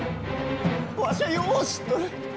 わしゃよう知っとる。